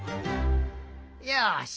よし！